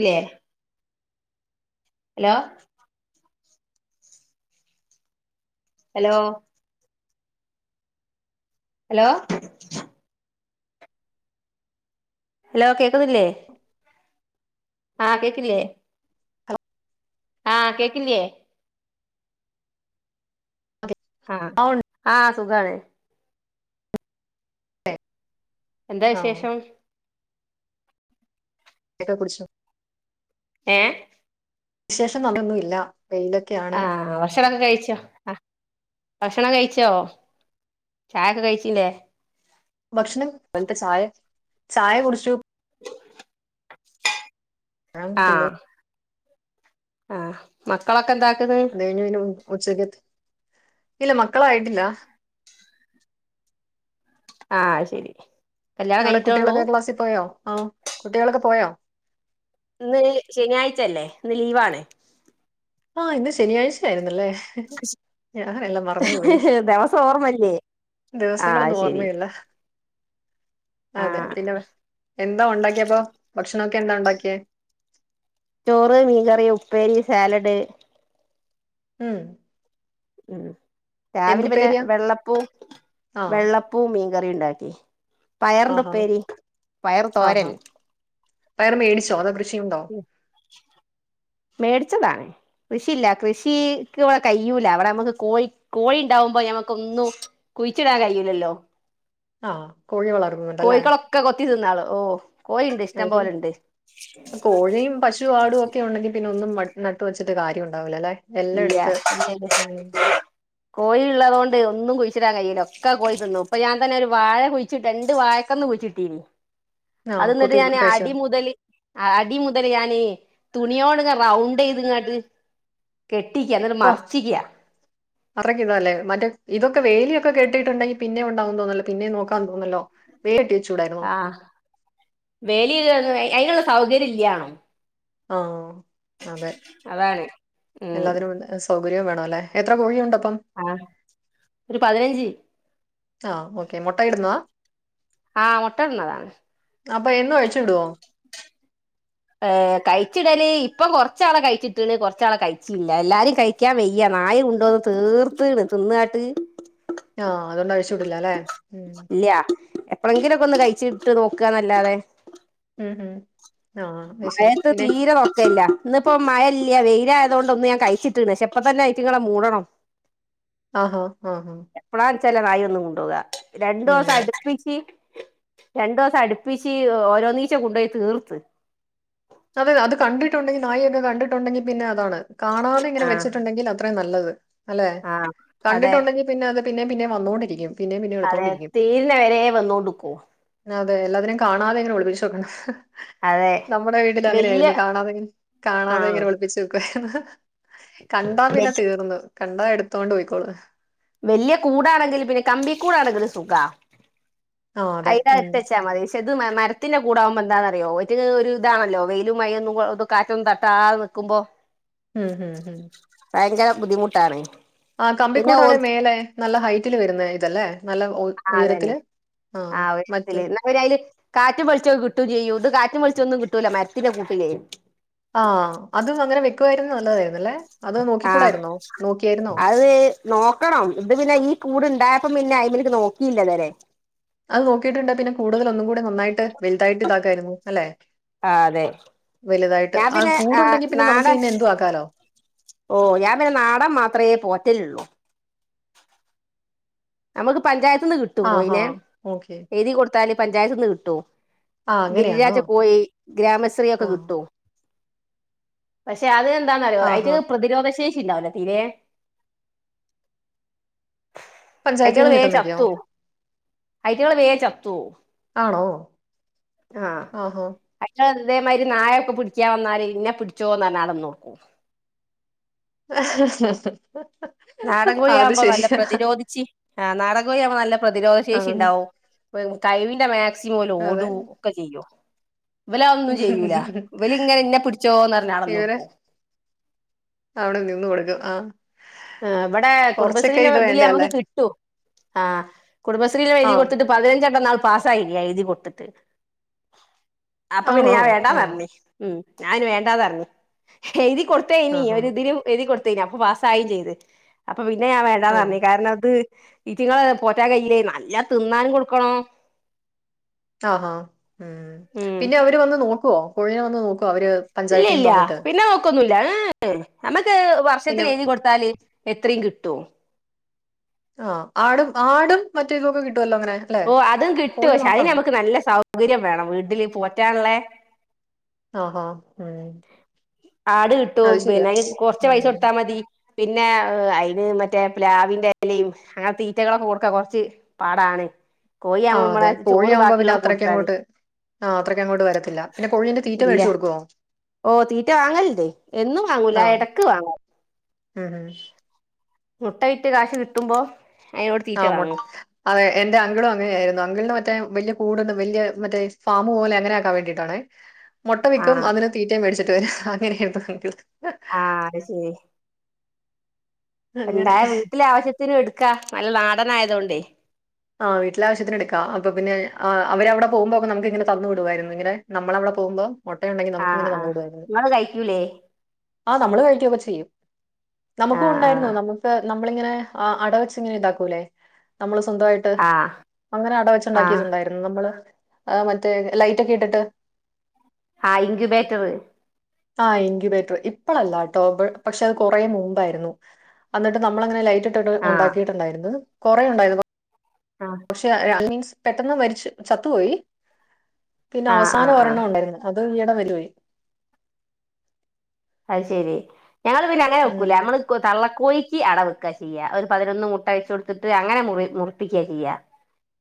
ഇല്ലേ hello hello hello hello കേൾക്കുന്നില്ലേ? [inaudible] ആഹ് കേക്കില്ലേ? ഹലോ ആഹ കേക്ക്ലൊ? അതെ ആഹ ആ ഉണ്ട് ആഹ സുഖണ്. എന്താ ആ വിശേഷം. എന്താ കുടിച്ചു. ഏ വിശേഷം പറഞ്ഞൊന്നൊന്നും ഇല്ല വെയില്. ആഹ ഭക്ഷണംഒക്കെ കഴിച്ചോ? ആ ഭക്ഷണം കഴിച്ചോ ചായൊക്കെ കഴിച്ചിലൊ? ഭക്ഷണം അനത്തെ ചായ ചായ കുടച്ചു. ആം തിന്നു. ആഹ മക്കളൊക്കെ എന്താക്കുന്ന്. ഞ്ഞുന ഉച്ചക്ക് ഇല്ല മക്കളായിട്ടില്ല. ആഹ ശരി കല്യാണം അവിടെ കഴിഞ്ഞിട്ടേള്ളൂ കുട്ടികളൊ ക്ലാസിൽ പോയോ ആ കുട്ടികളൊക്കെ പോയോ? ഇന്ന് ശനിയാഴ്ചല്ലേ ഇന്ന് ലീവാണ്. ആഹ ഇന്ന് ശനിയാഴ്ച ആയിരുന്ന്ല്ലേ? ഹ് ഹ് ദിവസം ഓർമ്മല്ലേ ആ ദിവസങ്ങളൊന്നും ശരി ഓർമ്മയില്ല. ആ അതെ പിന്നെ എന്താ ഉണ്ടാക്കിയപ്പോ ഭക്ഷണൊക്കെ എന്താ ഉണ്ടാക്കിയെ. ചോറ്, മീൻകറി, ഉപ്പേരി, സാലഡ്. ഉം ഉം രാവിലെ പിന്നെ എന്തുപ്പേരിയാ വെള്ളപ്പൂ ആ വെള്ള ഉപ്പും മീൻകറിയും ഉണ്ടാക്കി. പയറിന്റെ ആഹാ ഉപ്പേരി പയർ തോരൻ. ആഹാ പയർ മേടിച്ചോ. തോ കൃഷിയുണ്ടോ? മേടിച്ചതാണ്. കൃഷിയില്ല. കൃഷിക്ക് അവിടെ കയ്യുല. ഇവിടെ നമുക്ക് കോഴി കോഴി ഉണ്ടാവുമ്പോ ഞമ്മക്ക ഒന്നും. കുഴിച്ചിടാൻ കഴിയുല്ലല്ലോ? ആ കോഴി വളർത്തുന്നുണ്ടല്ലേ കോഴികളൊക്കെ കൊത്തി തിന്നാള്. ഓ കോഴിണ്ട് അത് ഇഷ്ടം ശരി പോലൊണ്ട്. കോഴിയും, പശു, ആടും. ഒക്കെ ഉണ്ടെങ്കി പിന്നെ ഒന്നും നട്ട് വെച്ചിട്ട് കാര്യം ഉണ്ടാവില്ല അല്ലെ. എല്ലാം ഇല്ല എടുത്ത് ഉം, [unintelligible] കോഴിഉള്ളതു കൊണ്ട് ഒന്നും കുഴിച്ചിട്ടിൻ കയ്യില്ല. ഒക്ക കോഴ് തിന്നും. ഇപ്പൊ ഞാൻ തന്നെ ഒരു വാഴ കുഴ- രണ്ട് വായക്കന്ന് കുച്ചിട്ടീ. ആ അത് എന്നിട്ട് കുത്തി ഞാന് കഴിച്ചു അടി മുതൽ അടി മുതൽ ഞാന് തുണിയോട്ങ്ങ റൗണ്ട് ചെയ്ത് ഇങ്ങാട്ട് കെട്ടിക്ക. എന്നട്ട് മറച്ചിക്ക. മറക്ക ഇതാല്ലേ. മറ്റേ ഇതൊക്ക വേലിയക്കെട്ടിട്ടുണ്ടെങ്കിൽ പിന്നെ ഉണ്ടാകെന്ന് തോന്നല്ലോ. പിന്നെ നോക്കാൻ തോന്നല്ലോ? വേലി കെട്ടിവെചൂടായിരുന്നു. ആ് വേലി അതിനുള്ള സൗകര്യം ഇല്ലാ. ആ അതെ. അതാണ് ഉം എല്ലാത്തിനും സ സൗകര്യം വേണം അല്ലെ. എത്ര കോഴിയുണ്ട് അപ്പം. ആ ഒരു പതിനഞ്ച്. ആ. ഓക്കെ മുട്ട ഇടുന്നാ ആ മുട്ട ഇടുന്നതാണ് അപ്പൊ എന്നും അഴിച്ച്വിട്വോ. കഴിച്ചിടല് ഇപ്പം കൊറച്ചാളെ കഴിച്ചിട്ടാണ് കൊറച്ചാളെ കഴിച്ചല്ല എല്ലാരും കഴിച്ച വിക്കാ വയ്യ. നായ കൊണ്ടോന്ന് തീർത്തണ് തിന്നാട്ട്. ആഹ് അതൊണ്ട്അഴിച്ചു വിടില്ല അല്ലെ. ഇല്ല എപ്പഴെങ്കിലുംക്കെ ഒന്ന് കഴിച്ച ഇട്ട് നോക്കന്നല്ലാതെ. ഉം ഉം ആ അത് ശരി മഴത്ത് പിന്നെ തീരെ നോക്കയില്ല. ഇന്ന ഇപ്പം മഴല്ല വെയിലായ്ത കൊ ഒന്ന് ഞാൻ കഴിച്ചിട്ടിണ്ട് പക്ഷെപ്പ തന്നെ ആയിത്തങ്ങള മൂടണം. ആഹാ ആഹ് ആഹ് എപ്പഴാ വെച്ചാല നായി ഒന്നും കൊണ്ടുപോക. രണ്ടു ദിവസം ഉം അടുപ്പിച്ച് രണ്ടു ദിവസം അടുപ്പിച്ച് ഓരോ നീച്ചം കൊണ്ടുപോയി തീർത്ത് അതെ അത് കണ്ടിട്ടുണ്ടെങ്കിൽ നായി ഒക്ക കണ്ടിട്ടുണ്ടെങ്കിൽ പിന്നെ അതാണ്. കാണാതെ ഇങ്ങെ ആ വെച്ചിട്ടുണ്ടെങ്കിൽ അത് അത്രയും നല്ലത് അല്ലെ. ആഹ് അതെ കണ്ടിട്ടുണ്ടെങ്കിൽ പിന്നെ അത് പിന്നെ പിന്നെ വന്നോണ്ടിരിക്കും. അതെ തീരിനവരെ വന്നോണ്ട്ടുക്കോ. അതെ എല്ലാതിനും കാണാതെ എങ്ങനെ ഒളപ്പിച്ച്ക്കണം അതെ അങ്ങനെ വല്യ ആയിരുന്നു. കാണാതെ കാണാതെ ആഹ് ഇങ്ങനെ ഒളിപ്പിച്ച് വെക്കുവരുന്നു കണ്ടാ പിന്നെ വല് തീർന്നു. കണ്ടാ എടുത്തോണ്ട് പോയ്ക്കോളു. വലിയ കൂടാണെങ്കിലും പിന്നെ കമ്പി കൂടാണെങ്കിലും സുഖ ആ അതെ ഉം അയിനകത്തച്ചാൽ മതി. പക്ഷ ഇത് മരത്തിൻന്റെ കൂടെകുമ്പോ എന്താണറിയോ ഒറ്റ ഒരു ഇതാണല്ലോ വെയിലും മയൊന്നും കാറ്റൊന്നും തട്ടാത നിൽക്കുമ്പോൾ. ഉം. ഹും ഹും. ഭയങ്കര ബുദ്ധിമുട്ടാണ്. ആ പിന്നെ ഓ കമ്പിക്കൂടാണ് മേലെ നല്ല ഹൈറ്റിൽ വരുന്ന ഇതല്ലേ നല്ല ആഹ് ഉയരത്തില് ആഹ് മറ്റ് അവ അല് കാറ്റും വെളിച്ചൊ കിട്ടും ചെയ്യൂണ്ട് കാറ്റുംച്ചൊന്നും കിട്ടൂല്ല മരത്തിന്റെ കൂട്ടലേ ആഹ. അത അങ്ങനെ വെക്കുയിരുന്നു നല്ലതായിന്നല്ലെ. അത് ആഹ് നോക്കിക്കൂടായിരുന്നോ. നോക്കിയായിരുന്നോ. അത് നോക്കണം ഇത് പിന്നെ ഈ കൂട്ണ്ടായപ്പം പിന്നെ അയി്മക്ക് നോക്കിയില്ല ഇത് വരെ. അത് നോക്കിയിട്ടുണ്ടേ പിന്നെ കൂടുതല ഒന്നും കൂടി നന്നായിട്ട് വലുതായിട്ട് ഇതാക്കായിരുന്നു അല്ലെ? ആഹ് അതെ. വലുതായിട്ട് ഞാൻ ആ പിന്നെ കൂടുണ്ടെങ്കി പിന്നെ നമുക്ക് നാടൻ പിന്നെ എന്തു ആക്കാലോ? ഓ ഞാൻ പിന്നെ നാടൻ മാത്രമേ പോറ്റലുള്ളൂ. നമുക്ക് പഞ്ചായത്ത് ന്ന് കിട്ടും ആഹാ! കോയിനെ ഓക്കേ. എഴുതി കൊടു ടുത്താല് പഞ്ചായത്ത് ന്ന് കിട്ടും ആ അങ്ങനെയാണോ? ഗിരിരാജ് കോയി ഗ്രാമശ്രീയൊക്കെ ആ. കിട്ടു. പക്ഷെ അത് എന്താന്നറിയോ ആഹാ! അതി്ന് പ്രതിരോധ ശേഷി ഉണ്ടാവുല്ല തീരെ. ഐറ്റകള് പഞ്ചായത്തീന്ന് വേഗം കിട്ടുന്നൊക്കെയോ? ചത്തു ഐറ്റകള് വേഗം ചത്തു. ആണോ? ആഹ് ആഹാ! അയ്റ്റാള് അതേമാതിരി നായൊക്കെ പിടിക്കാ വന്നാല് ഇന്നെ പിടിച്ചോന്ന് പറഞ്ഞ് അവിടെ. [unintelligible] നാടൻ അത് കോഴിയാവുമ്പൊ നല്ല ശരിയാ. പ്രതിരോധിച്ച് ആ നാടൻകോഴി ആവുമ്പൊ നല്ല പ്രതിരോധ ആ. ശേഷി ഇണ്ടാവും. കൈവിന്റെ മാക്സിമം ഓല് അതെ. ഓടും ഒക്കെ ചെയും. ഇവല് ഒന്നും ചെയ്യൂല ഇവല് ഇങ്ങനെ ഇന്നെ പിടിച്ചോന്ന് നറഞ്ഞ് അവിടെ ഇവര് നിന്നൊടുക്കും. അവിടെ നിന്ന് കൊടുക്കും ആ ആ ഇവിടെ കൊറച്ചൊക്കെ കുടുംബശ്രീെന്റെ ഇത് ഇതില് വേണ്ടേ അല്ലേ? നമുക്ക് കിട്ടും ആ കുടുംബശ്രീ ആ. എഴുതി കൊടുത്തിട്ട്. പതിനഞ്ചെണ്ണ നാൾ പാസ് ആയി എഴുതി കൊട്‌ ത്തിട്ട്. അപ്പൊ പിന്നെ ആണോ? ഞാൻ ആ. വേണ്ടാന്ന് പറഞ്ഞ്, ഉം ഞാന് വേണ്ടാന്നറഞ്ഞ് എഴുതി കൊടു ത്തേനി ആഹാ! ഒരു ഇതില് എഴുതി കൊടുത്തേനി അപ്പൊ പാസായിം ചെയ്ത്. അപ്പൊ പിന്നെ ഞാൻ ആ. വേണ്ടാന്നറഞ്ഞ് കാരണം ഇത് ഈറ്റങ്ങളെ പോറ്റാൻ കയ്യില്ലേ നല്ലോം തിന്നാനും കൊടുക്കണം. ആഹ്, ആഹ്, ഉം ഉം പിന്നെ അവര് വന്ന് നോക്കുവോ കോഴിനെ വന്ന് നോക്കോ അവര്? ഇല്ല പഞ്ചായത്തീന്ന് ഇല്ല തന്നിട്ട്? പിന്നെ നോക്കൊന്നുല്ല ഏഹ്, ഏഹ് നമ്മക്ക് പിന്നെ വർഷത്തിൽ എഴുതി കൊടു ത്താല് എത്രയും കിട്ടും. ആഹ്, ആടും ആടും മറ്റേ ഇതൊക്കെ കിട്ടുവല്ലോ അങ്ങനെ? അല്ലെ ഓഹ്, അതും കിട്ടും കോഴി പക്ഷെ അതിന് മാത്രാണോ നമുക്ക് നല്ല സൗകര്യം വേണം വീട്ടില് പോറ്റാനില്ലേ? ആഹ്, ആഹ്, ഏഹ് ആട് കിട്ടും, പിന്നെ അയിന് കൊറച്ച് പൈസ ഉം കൊടുത്താൽ മതി. പിന്നെ ഏഹ്, അയിന് മറ്റേ പ്ലാവിന്റെ എലിം അങ്ങനെ തീറ്റകളൊക്കെ കൊടുക്കാ കൊറച്ച് പാടാണ്. ആ കോഴിയാകുമ്പോ നമ്മളെ അതെ കോഴി ചോറ് ആവുമ്പ പിന്നെ ബാക്കിയുള്ളതൊക്കെ കൊടുത്താൽ മതി അത്രയ്ക്കങ്ങോട്ട് ആ അത്രയ്ക്ക അങ്ങോട്ട് വരത്തില്ല. പിന്നെ. കോഴിന്റെ തീറ്റ മേടിച്ച് കൊടുക്കുവോ? ഓഹ്, തീറ്റ വാങ്ങല്ണ്ട്, എന്നും വാങ്ങൂല എടക്ക് വാങ്ങും. ആഹ്, ആഹ് മുട്ട വിറ്റ് കാശ് കിട്ടുമ്പോ അതിനോട് ആ തീറ്റ മുട്ട വാങ്ങും അതെ എന്റെ അങ്കിളു അങ്ങനെ ആയിരുന്നു. അങ്കിളിന് മറ്റേ വലിയ കൂടൊന്നു വലിയ മറ്റേ ഫാമ് പോലെ അങ്ങനെ ആക്കാൻ വേണ്ടിയിട്ടാണേ. മുട്ട ആ വിക്കും അതിന് തീറ്റയും മേടിച്ചിട്ട് വര് അങ്ങനെയായിരുന്നു [unintelligible] ആഹ്, അത് ശെരി. അങ്ങനെ ഇണ്ടായ വീട്ടിലെ ആവശ്യത്തിന് എടുക്കാ നല്ല നാടനായത്കൊണ്ടെയ്. ആ വീട്ടിലെ ആവശ്യത്തിന് എടുക്ക, അപ്പ പിന്നെ ആഹ്, അവരവിടെ പോവുമ്പോ നമുക്ക് ഇങ്ങനെ തന്നു വിടുവായിരുന്നു ഇങ്ങനെ, നമ്മളവിടെ പോവുമ്പം. മുട്ടുയുണ്ടെങ്കിൽ ആ നമുക്ക് ഇങ്ങനെ ആ തന്നു വിട് ആയിരുന്നു. നിങ്ങള് കഴിക്കൂലേ ആ നമ്മള് കഴിക്കു ഒക്കെ ചെയ്യും. ആ നമുക്ക് ഉണ്ടായിരുന്നു നമുക്ക് ന നമ്മളിങ്ങനെ ആ അടവെച്ച് ഇങ്ങനെ ഇതാക്കൂലെ, നമ്മള് സ്വന്തമായി ട്ട്, ആ അങ്ങനെ ആ ആ അടവച്ചുണ്ടാക്കിട്ടുണ്ടായിരുന്നു നമ്മള്, മറ്റേ ലൈറ്റ് ഒക്കെ ഇട്ടിട്ട്. ആ ഇങ്ക്ബേറ്ററ്. ആ, ഇൻക്യുബേറ്റർ ഇപ്പളല്ലാട്ടോ പക്ഷെ, അത് കൊറേ മുമ്പായിരുന്നു. അന്ന്ട്ട് നമ്മളങ്ങനെ ലൈറ്റ് ഇട്ടിട്ട് ആ ഉണ്ടാക്കിയിട്ടുണ്ടായിരുന്നു. കൊറെ ഉണ്ടായിരുന്നു. ആഹ് പക്ഷെ, [unintelligible] പെട്ടെന്ന് മരിച്ച് ചത്തുപോയി. പിന്നെ, ആ ആ അവസാനം ആ ഒരെണ്ണം ഉണ്ടായിരുന്നു. അത് ഈ എടെ [unintelligible] അത് ശെരി, ഞങ്ങള് പിന്നെ അങ്ങനെ വെക്കൂല. ഉം നമ്മള് കൊ തള്ളക്കോഴി ക്ക് അടവെക്ക് ചെയ്യ്. ഒരു പതിനൊന്ന് മുട്ട വെച്ച് കൊടുത്തിട്ട് അങ്ങനെ മുറി മുറപ്പിക്ക് ചെയ്യ്.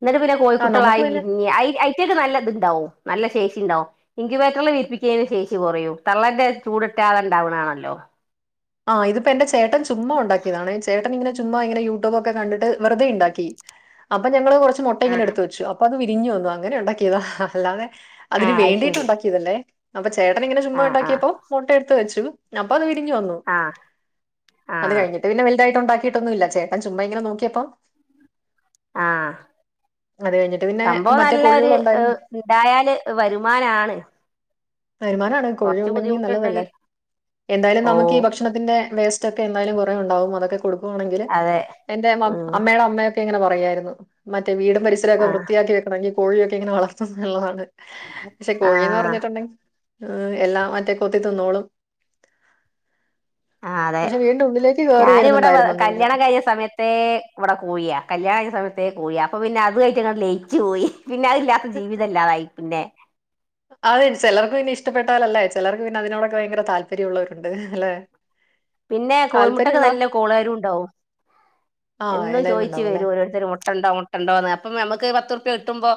ഇന്നട്ട് പിന്നെ ആ നമുക്ക് കോയിക്കുട്ടളായി പിന്നെ വിരിഞ്ഞ് അയി അയ് റ്റക്ക് നല്ല ഇത്ണ്ടാവും നല്ല ശേഷി ഇണ്ടാവും. ഇങ്കുവേറ്ററിൽ വിരിപ്പിക്കുന്നതിന് ശേഷി കൊറയും തള്ളന്റെ ചൂട് ത റ്റാതെ ഇണ്ടാവ്ണ ആണല്ലോ. ആ ഇതിപ്പോ എന്റെ ചേട്ടൻ ചുമ്മാ ഉണ്ടാക്കിയതാണ്. ചേട്ടൻ ഇങ്ങനെ ചുമ്മാ ഇങ്ങനെ യൂട്യൂബ് ഒക്കെ കണ്ടിട്ട് വെറുതെ ഇണ്ടാക്കി. അപ്പോ ഞങ്ങള് കുറച്ച് മുട്ട ആ ഇങ്ങന എടുത്ത് വെച്ചു. അപ്പൊ അത് വിരിഞ്ഞു വന്നു അങ്ങനെ ഉണ്ടാക്കിയതാ ഹ ഹ അല്ലാതെ ആ അതിന് അത് വേണ്ടിയിട്ട് ശരി ഉണ്ടാക്കിയതല്ലേ, അപ്പൊ ചേട്ടന് ഇങ്ങനെ ചുമ്മാ ആ ആ ഉണ്ടാക്കിയപ്പോ മുട്ട എടുത്ത് വെച്ചു. അപ്പൊ അത് വിരിഞ്ഞു വന്നു. ആഹ്. അത് കഴിഞ്ഞിട്ട് പിന്നെ വലുതായിട്ട് ഉണ്ടാക്കിയിട്ടൊന്നു ഇല്ല. ചേട്ടൻ ചുമ്മ ഇങ്ങനെ നോക്കിയപ്പ ആഹ് അത് കഴ്ഞ്ഞിട്ട് പിന്നെ സംഭവം മറ്റേ നല്ല ഒരു കോഴികളുണ്ടായിരുന്നു ണ്ടായാല് വരുമാനാണ് വരുമാനാണ് കോഴി കൊറച്ച് ഉണ്ടെങ്കി നല്ലതല്ലേ ബുദ്ധിമുട്ടുണ്ടെങ്കിൽ എന്തായാലും ഓ നമുക്ക് ഈ ഭക്ഷണത്തിന്റെ വേസ്റ്റ് ഒക്കെ എന്തായാലും കുറേ ഉണ്ടാവും അതൊക്കെ കൊടുക്കുവാണെങ്കില് അതെ എന്റെ അം ഉം അമ്മയുടെ അമ്മയെക് ഇങ്ങനെ പറയാര്ന്നു മറ്റേ വീടും പരിസരൊക്കെ ആ വൃത്തിയാക്കി വെക്കണമെങ്കിൽ കോഴിയൊക്കെ ഇങ്ങനെ വളർത്തും ന്ന്ള്ളതാണ് പക്ഷെ കോഴീന്ന് ആഹ് പറഞ്ഞിട്ടുണ്ടെങ്കി ഏ എല്ലാം മറ്റേ കൊത്തി തിന്നോളും ആ അതെ പക്ഷെ വീടിന്റെ ഉള്ളിലേക്ക് കേറി ഞാനിവ്ടെ വരുന്നുണ്ടായിരുന്നന്ന് പിന്നെ കല്യാണം കഴിഞ്ഞ സമയത്ത് ത്തേ ഇവടെ കോഴിയാ കല്യാണം കഴിഞ്ഞ സമയത്തേ കോഴിയ അപ്പ പിന്നെ അതെയ്റ്റ് ഇങ്ങെനേണ്ട് ലയിച്ച് പോയി പിന്നെ അതില്ല പ്പ ജീവിതല്ലാതായി പിന്നെ അത് ചിലർക്ക് പിന്നെ ഇഷ്ടപ്പെട്ടാലല്ലേ ചിലർക്ക് പിന്നെ അതിനോടക്കെ ഭയങ്കര താല്പര്യമുള്ളവരുണ്ട് അല്ലെ [inaudible] പിന്നെ കോഴിമുട്ടക്ക് താല്പര്യമുള്ള നല്ല കോളേരും ണ്ടാവും ആഹ് എന്നും എല്ലാരും ചോയിച്ചു ഉണ്ടാവും അല്ലെ വരും ഓരോരുത്തര് മുട് മുട്ടണ്ടോ മുട്ടണ്ടോന്ന് അപ്പൊ നമ്മക്ക് പത്തുർപ്യ കിട്ടുമ്പോ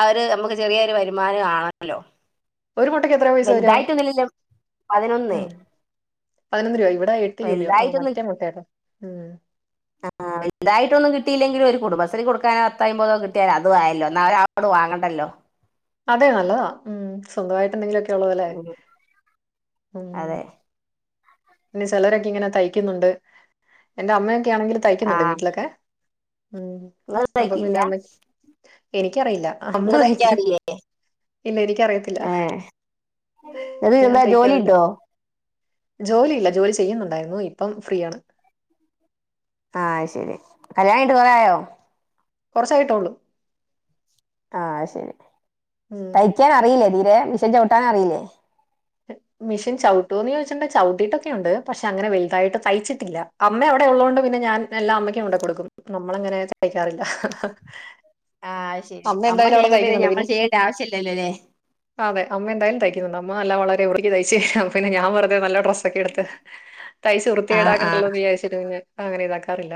അവര് നമുക്ക് ചെറിയൊരു വരുമാനും ആണല്ലോ ഒരു മുട്ടക്ക് എത്രയാ പൈസ വരാ വലുതായിട്ടൊന്നുമില്ലല്ലോ പതിനൊന്ന് ഉം പതിനൊന്ന് രൂപ ഇവിടെ എട്ട് രൂപയോ ആ വലുതായിട്ടൊന്നും മറ്റേ മുട്ടട്ടോ ഉം ആഹ് വലുതായിട്ടൊന്നും കിട്ടയില്ലെങ്കിലും ഒരു കുടുംബ്രീ കൊടുക്കാനോ അത്തായ്മ്പതോ കിട്ടിയാലോ അതു ആയല്ലോ എന്ന ഒരാളോട് വാങ്ങണ്ടല്ലോ അതെ നല്ലതാ ഉം സ്വന്തമായിട്ട് എന്തെങ്കിലുമൊക്കെ ഉള്ളത അല്ലേ ഉം ഉം അതെ പിന്നെ ചെലരൊക്കെ ഇങ്ങനെ തയ്ക്കുന്നുണ്ട് എൻറെ അമ്മയൊക്കെ ആണെങ്കിലും തയ്ക്കുന്നുണ്ട് ആഹ് വീട്ട്ലൊക്കെ ഉം ഇങ്ങള് അപ്പൊ പിന്നെ ഇതാക്കിയില്ല അമ്മക്ക്‌ എനിക്കറിയില്ല അമ്മ ഇങ്ങ തയ്ക്ക്യും തയ്ക്കാറില്ലേ ഇല്ല എനിക്കറിയത്തില്ല അത് ഞാൻ എന്താ ജോലി തയ്ക്കാറില്ല ഉണ്ടോ ജോലിയില്ല ജോലി ചെയ്യുന്നുണ്ടായിരുന്നു ഇപ്പം ഫ്രീ ആണ് ആ അത് ശെരി കല്യാണയ്ഞ്ട്ട് കുറേ ആയോ കൊറച്ചായിട്ടൊള്ള് ആ അത് ശരി ഉം. തയ്ക്കാൻ അറിയില്ലേ തീരെ മിഷൻ ചവിട്ടാനറിയില്ലേ മിഷീൻ ചവിട്ടോന്ന് ചോദിച്ചിട്ടണ്ട ചവിട്ടിട്ടൊക്കെണ്ട് പക്ഷെ അങ്ങനെ വലുതായിട്ട് തയ്ച്ചിട്ടില്ല അമ്മ അവിടെ ഉള്ളോണ്ട് പിന്നെ ഞാൻ എല്ലാ അമ്മയ്ക്ക്‌ കൊണ്ടേ കൊടുക്കും നമ്മള അങ്ങനെ തയ്ക്കാറില്ല ആഹ് ശരി അമ്മ എന്തായാലും അവിടെ ചെയ്യുമ്പോ പിന്നെ തയ്ക്കുന്നുണ്ട്. ഞമ്മൾ ചെയ്യേണ്ട ആവശ്യംല്ലല്ലോ ല്ലേ അതെ അമ്മ എന്തായാലും തയ്ക്കുന്ന്ണ്ട് അമ്മ നല്ല വളരെ വൃത്തിക്ക്‌ തയ്ച്ചരും അപ്പൊ പിന്നെ ഞൻ വെുതേ നല്ല ഡ്രസ്സൊക്കെ എടുത്ത് [inaudible] തൈച്ച് ആഹ് ആഹ് വൃത്തികേടാക്കണ്ടല്ലോന്ന് വിചാരിച്ചിട്ട് ഞാൻ അങ്ങനെ ഇതാക്കാറില്ല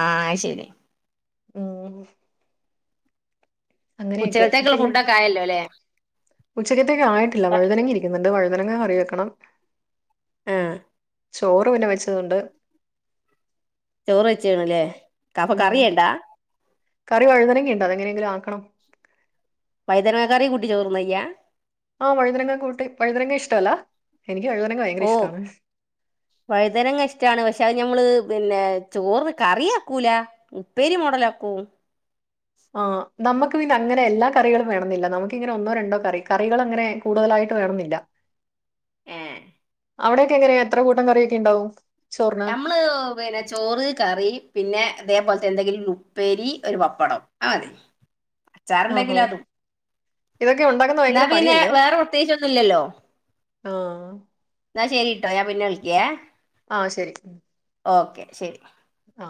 ആ അത് ശരി ഉം അങ്ങനെയൊക്കെ. ഉച്ചകത്തേക്കുള്ള പിന്നെ ഫുഡ്‌ ക്കെ ആയല്ലോ ലേ ഉച്ചക്കത്തേക്ക് ആയിട്ടില്ല വഴുതനങ്ങ ഇരിക്കുന്നുണ്ട് വഴുതനങ്ങ കറി വെക്കണം ഏ ചോറ് പിന്നെ വെച്ചതുണ്ട് ചോറ് വെച്ച്ക്ണ് ല്ലേ കഫ ഉം. കറിവേണ്ടാ കറി വഴുതനങ്ങ ഉണ്ട് അത് എങ്ങനെങ്കിലും ആക്കണം വൈതനാ ക്കറി കൂട്ടി ചോറ് ന്നയ്യ ആ വഴുതനങ്ങ കൂട്ടി വഴുനങ്ങങ്ങ ഇഷ്ടല്ല എനിക്ക് വഴുതനങ്ങ ഭയങ്കര ഓ ഇഷ്ടമാണ് വഴുതനങ്ങ ഇഷ്ട്ടാണ് പക്ഷെ അത് ഞമ്മള് പിന്നെ ചോറ്ന് കറിയാക്കൂല ഉപ്പേരി മോഡല് ആക്കൂം ആഹ് നമുക്ക് പിന്നെ അങ്ങനെ എല്ലാ കറികളും വേണന്നില്ല നമുക്ക് ഇങ്ങനെ ഒന്നോ രണ്ടോ കറി കറികളങ്ങനെ കൂടുതലായിട്ട് വേണന്നില്ല ഉം അവിടെയക്കെങ്ങനെയാ എത്ര കൂട്ടം കറിയൊക്കെണ്ടാവും ചോറിന് നമ്മള് പിന്നെ ചോറ് കറി പിന്നെ അതേപോലത്തെ എന്തെങ്കിലും ഉപ്പേരി ഒരു പപ്പടം ആതെ [inaudible] ആഹാ അച്ചാർണ്ടെങ്കിലും അതും ഇതൊക്കെ ഉണ്ടാക്കുന്ന എന്നാ ഭയങ്കര പിന്നെ പണിയല്ലേ വേറെ പ്രത്യേകിച്ചൊന്നുല്ലല്ലോ ആഹ് എന്നാ ശരീട്ടോ ഞാൻ പിന്നെ വിളിക്കേ ആഹ് ശരി ഓക്കെ ശരി ആ